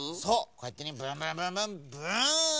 こうやってねブンブンブンブンブーン！